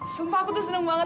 sumpah aku tuh senang banget